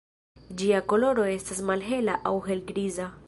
Ĝia koloro estas malhela aŭ helgriza.